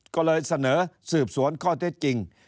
ก็เลยเสนอสืบสวนข้อเท็จจริง